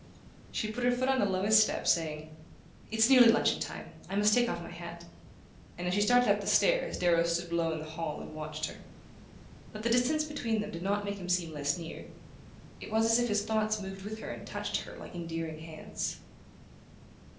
She put her foot on the lowest step, saying: "It's nearly luncheon time I must take off my hat..." and as she started up the stairs Darrow stood below in the hall and watched her. But the distance between them did not make him seem less near: it was as if his thoughts moved with her and touched her like endearing hands.